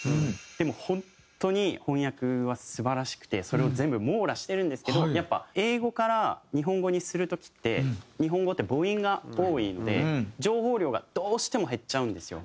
でも本当に翻訳は素晴らしくてそれを全部網羅してるんですけどやっぱ英語から日本語にする時って日本語って母音が多いので情報量がどうしても減っちゃうんですよ。